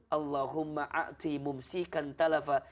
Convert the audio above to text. allahumma a'ti mumsikan talafah